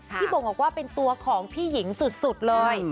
บ่งบอกว่าเป็นตัวของพี่หญิงสุดเลย